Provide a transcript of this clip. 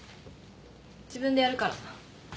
自分でやるから。